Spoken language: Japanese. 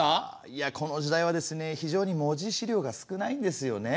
いやこの時代はですね非常に文字資料が少ないんですよね。